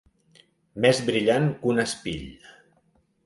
Més brillant que un espill.